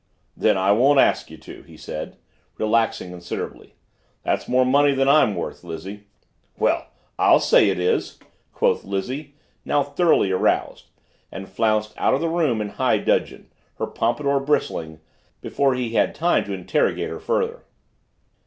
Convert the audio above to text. "Then I won't ask you to," he said, relaxing considerably; "That's more money than I'm worth, Lizzie." "Well, I'll say it is!" quoth Lizzie, now thoroughly aroused, and flounced out of the room in high dudgeon, her pompadour bristling, before he had time to interrogate her further.